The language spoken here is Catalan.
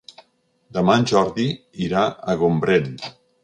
Demà en Jordi irà a Gombrèn.